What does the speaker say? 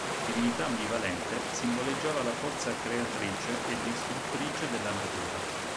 Divinità ambivalente, simboleggiava la forza creatrice e distruttrice della Natura.